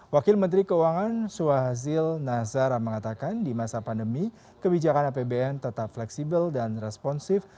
wakil menteri keuangan swahazil nazara mengatakan di masa pandemi kebijakan apbn tetap fleksibel dan responsif